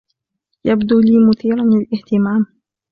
يبدو لي مثيرًا للاهتمام.